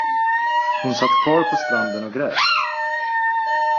Hon satt kvar på stranden och grät.